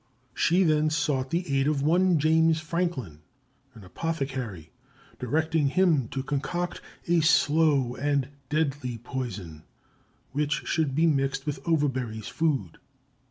She then sought the aid of one James Franklin, an apothecary, directing him to concoct a slow and deadly poison, which should be mixed with Overbury's food.